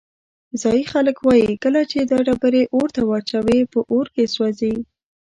ځایی خلک وایي کله چې دا ډبرې اور ته واچوې په اور کې سوځي.